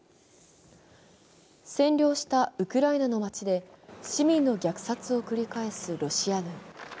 占領したウクライナの街で市民の虐殺を繰り返すロシア軍。